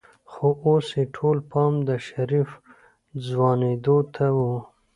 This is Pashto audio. خو اوس يې ټول پام د شريف ځوانېدو ته و.